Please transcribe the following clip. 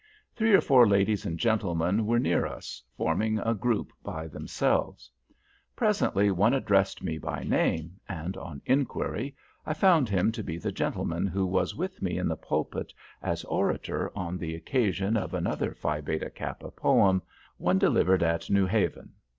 Three or four ladies and gentlemen were near us, forming a group by themselves. Presently one addressed me by name, and, on inquiry, I found him to be the gentleman who was with me in the pulpit as Orator on the occasion of another Phi Beta Kappa poem, one delivered at New Haven.